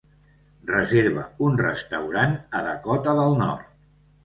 Reserva un restaurant a Dakota del Nord.